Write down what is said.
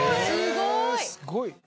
すごい。